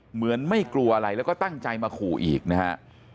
เหมือนไม่กลัวอะไรแล้วก็ตั้งใจมาขู่อีกนะฮะ